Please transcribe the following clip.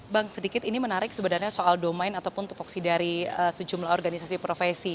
bang sedikit ini menarik sebenarnya soal domain ataupun tupoksi dari sejumlah organisasi profesi